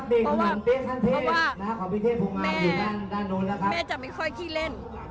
เพราะว่าแม่จะไม่ค่อยขี้เล่น